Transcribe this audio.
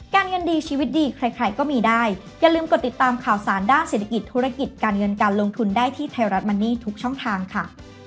การเงินดีชีวิตดีใครใครก็มีได้อย่าลืมกดติดตามข่าวสารด้านเศรษฐกิจธุรกิจการเงินการลงทุนได้ที่ไทยรัฐมันนี่ทุกช่องทางค่ะ